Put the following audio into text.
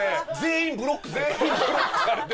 全員ブロックされて。